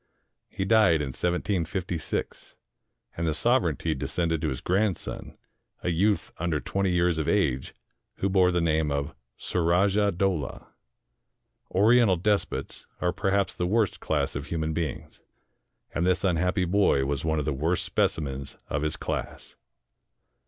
He died in 1756, and the sovereignty de scended to his grandson, a youth under twenty years of age, who bore the name of Surajah Dowlah. Oriental despots are perhaps the worst class of human beings ; and this unhappy boy was one of the worst specimens of his class.